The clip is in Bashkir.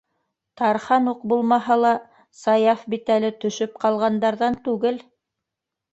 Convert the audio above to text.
Тархан уҡ булмаһа ла, Саяф бит әле төшөп ҡалғандарҙан түгел.